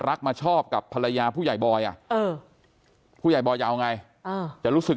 มาชอบกับภรรยาผู้ใหญ่บอยผู้ใหญ่บอยจะเอาไงจะรู้สึก